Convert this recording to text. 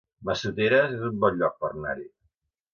Massoteres es un bon lloc per anar-hi